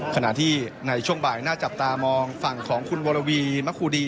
ขณะที่ในช่วงบ่ายน่าจับตามองฝั่งของคุณวรวีมะคูดี